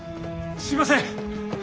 すいません！